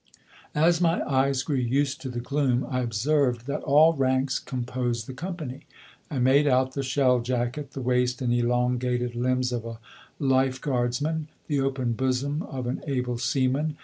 As my eyes grew used to the gloom I observed that all ranks composed the company. I made out the shell jacket, the waist and elongated limbs of a life guardsman, the open bosom of an able seaman.